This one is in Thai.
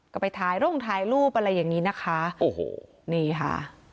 ก็ไปถ่ายร่มถ่ายรูปอะไรอย่างนี้นะคะโอ้โหนี่ค่ะ